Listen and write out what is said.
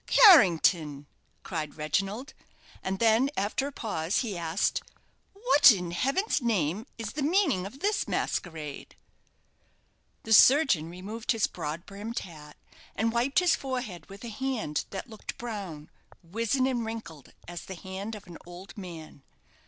"Carrington!" cried Reginald; and then, after a pause, he asked, "What, in heaven's name, is the meaning of this masquerade?" The surgeon removed his broad brimmed hat, and wiped his forehead with a hand that looked brown, wizen, and wrinkled as the hand of an old man.